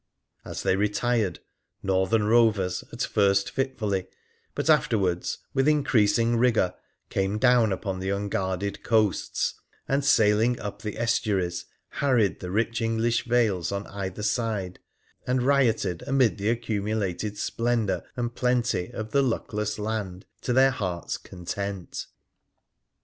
As they retired, Northern rovers, at first fitfully, but afterwards with increasing rigour, came down upon the unguarded coasts, and sailing up the estuaries harried the rich English vales on either side, and rioted amid the accumulated splendour and plenty of the luckless land to their hearts' content.